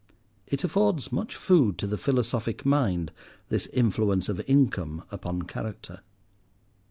(It affords much food to the philosophic mind, this influence of income upon character.)